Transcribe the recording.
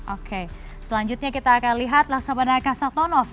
oke selanjutnya kita akan lihat laksamana kasabtono